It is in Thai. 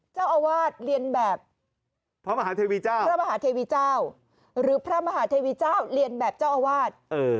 เจ้าอาวาสเรียนแบบพระมหาเทวีเจ้าพระมหาเทวีเจ้าหรือพระมหาเทวีเจ้าเรียนแบบเจ้าอาวาส